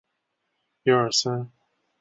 再任监督出洋肄业事宜。